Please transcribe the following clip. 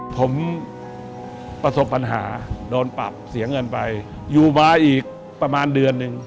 ผมประสบปัญหาโดนปรับเสียเงินไปอยู่มาอีกประมาณเดือนหนึ่ง